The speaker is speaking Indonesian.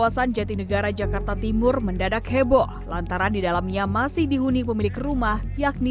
sama sekali gak terjual ya